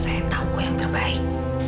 saya tau kau yang terbaik